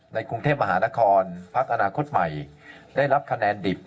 ในกรุงเทพมหานครพักอนาคตใหม่ได้รับคะแนนดิบ